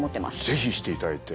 是非していただいて。